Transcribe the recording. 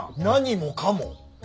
何もかも。